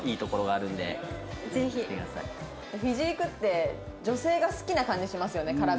フィジークって女性が好きな感じしますよね体つきとか。